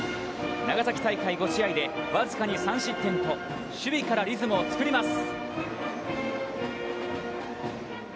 長崎大会５試合で僅かに３失点と守備からリズムを作ります。